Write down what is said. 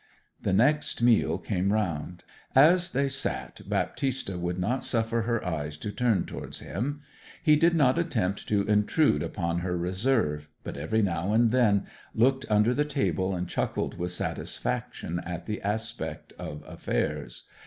The next meal came round. As they sat, Baptista would not suffer her eyes to turn towards him. He did not attempt to intrude upon her reserve, but every now and then looked under the table and chuckled with satisfaction at the aspect of affairs.